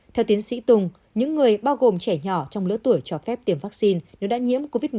theo tiến sĩ tùng những người bao gồm trẻ nhỏ trong lứa tuổi cho phép tiêm vaccine nếu đã nhiễm covid một mươi chín